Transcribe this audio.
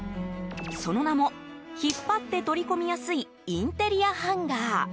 その名も引っ張って取り込みやすいインテリアハンガー。